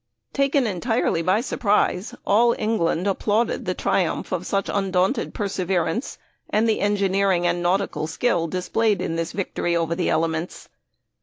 Taken entirely by surprise, all England applauded the triumph of such undaunted perseverance and the engineering and nautical skill displayed in this victory over the elements.